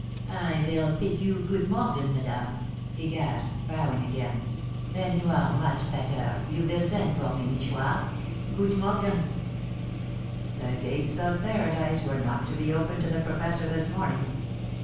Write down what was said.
"I vill pid you gute morgen, madame," he gasped, bowing again. "Ven you are much petter you vill zend for me, nicht war? Gute morgen!" The gates of paradise were not to be opened to the professor this morning.